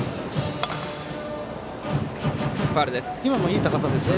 今のもいい高さです。